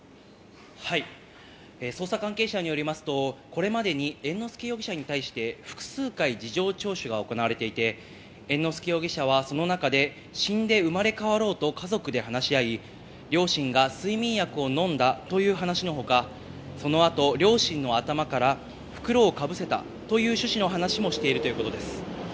捜査関係者によりますと、これまでに猿之助容疑者に対して複数回、事情聴取が行われていて、猿之助容疑者はその中で死んで生まれ変わろうと家族で話し合い、両親が睡眠薬を飲んだという話の他、その後、両親の頭から袋をかぶせたという趣旨の話もしているということです。